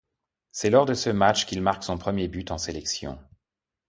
C'est lors de ce match qu'il marque son premier but en sélection.